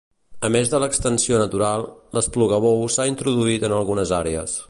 A més de l'extensió natural, l'esplugabous s'ha introduït en algunes àrees.